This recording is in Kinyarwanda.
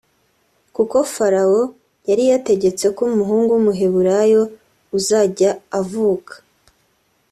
kuko Farawo yari yategetse ko umuhungu w’umuheburayo uzajya avuka